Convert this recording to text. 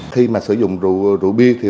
khi mà sử dụng rượu bia